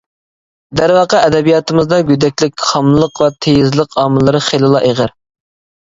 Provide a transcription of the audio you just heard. دەرۋەقە، ئەدەبىياتىمىزدا گۆدەكلىك، خاملىق ۋە تېيىزلىق. ئامىللىرى خېلىلا ئېغىر.